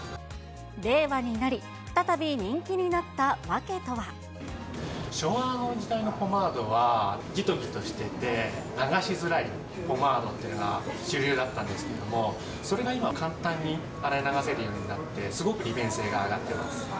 令和になり、再び人気になっ昭和の時代のポマードは、ぎとぎとしてて、流しづらいポマードというのが、主流だったんですけども、それが今、簡単に洗い流せるようになって、すごく利便性が上がってます。